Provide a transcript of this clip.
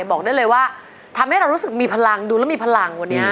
บอกได้เลยว่าทำให้เรารู้สึกมีพลังดูแล้วมีพลังวันนี้